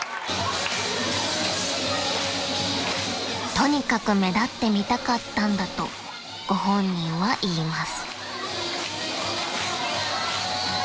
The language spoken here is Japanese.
［とにかく目立ってみたかったんだとご本人は言います］